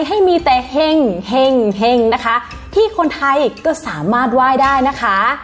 ให้มีแต่เห็งเห็งนะคะที่คนไทยก็สามารถไหว้ได้นะคะ